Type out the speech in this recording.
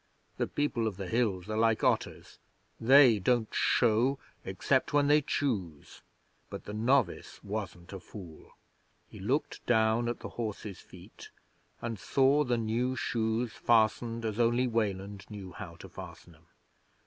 (The People of the Hills are like otters they don't show except when they choose.) But the novice wasn't a fool. He looked down at the horse's feet, and saw the new shoes fastened as only Weland knew how to fasten 'em.